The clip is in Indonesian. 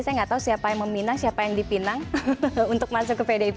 saya nggak tahu siapa yang meminang siapa yang dipinang untuk masuk ke pdip